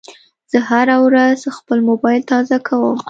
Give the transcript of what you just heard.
زه هره ورځ خپل موبایل تازه کوم.